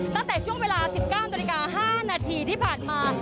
ตั้งแต่ช่วงเวลา๑๙นาฬิกา๕นาทีที่ผ่านมา